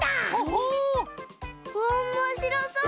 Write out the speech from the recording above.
おもしろそう！